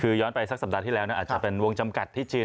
คือย้อนไปสักสัปดาห์ที่แล้วอาจจะเป็นวงจำกัดที่จีน